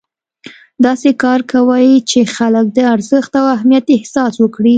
داسې کار کوئ چې خلک د ارزښت او اهمیت احساس وکړي.